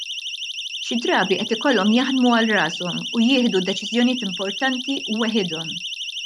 Xi drabi qed ikollhom jaħdmu għal rashom u jieħdu deċiżjonijiet importanti weħidhom.